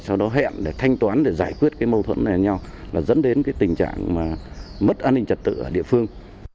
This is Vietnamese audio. sau đó hẹn để thanh toán để giải quyết cái mâu thuẫn này nhau là dẫn đến cái tình trạng mà mất an ninh trật tự ở địa phương